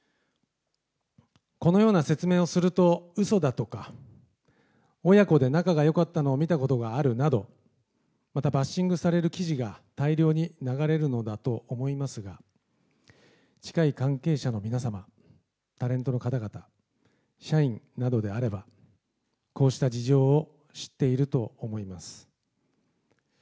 このような説明をすると、うそだとか、親子で仲がよかったのを見たことがあるなど、また、バッシングされる記事が大量に流れるのだと思いますが、近い関係者の皆様、タレントの方々、社員などであれば、こうした事情を知っていると思います。